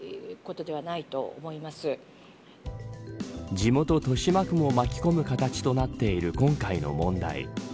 地元豊島区も巻き込む形となっている今回の問題。